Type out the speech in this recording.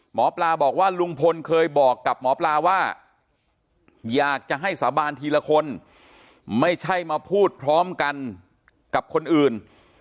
หมอปลาบอกว่าลุงพลเคยบอกกับหมอปลาว่าอยากจะให้สาบานทีละคนไม่ใช่มาพูดพร้อมกันกับคนอื่น